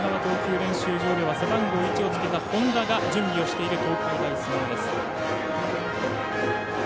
練習場には背番号１をつけた本田が準備をしている東海大菅生。